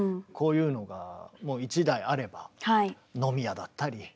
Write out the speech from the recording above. こういうのが１台あれば飲み屋だったり。